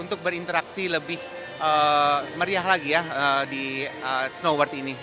untuk berinteraksi lebih meriah lagi ya di snow world ini